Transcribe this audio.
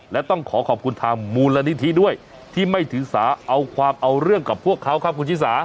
และต้องขอขอบคุณทางมูลนิธิด้วยที่ไม่ถือสาเอาความเอาเรื่องกับพวกเขาครับคุณชิสา